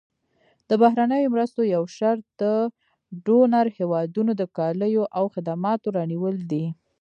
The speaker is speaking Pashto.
د بهرنیو مرستو یو شرط د ډونر هېوادونو د کالیو او خدماتو رانیول دي.